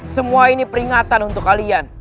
semua ini peringatan untuk kalian